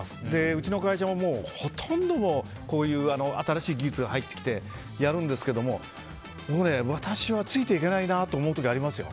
うちの会社もほとんど、こういう新しい技術が入ってきてやるんですけど私はついていけないなと思う時ありますよ。